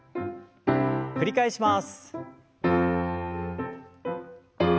繰り返します。